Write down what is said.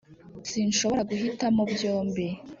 sinshobora guhitamo byombi